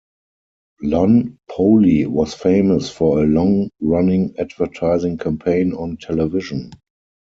Lunn Poly was famous for a long running advertising campaign on television.